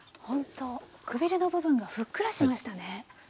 ほんとくびれの部分がふっくらしましたね。